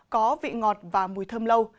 có vị ngọt và mùi thơm lâu